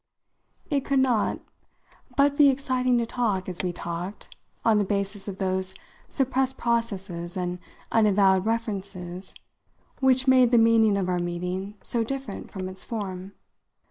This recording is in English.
It could not but be exciting to talk, as we talked, on the basis of those suppressed processes and unavowed references which made the meaning of our meeting so different from its form.